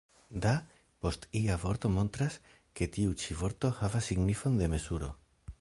« Da » post ia vorto montras, ke tiu ĉi vorto havas signifon de mezuro.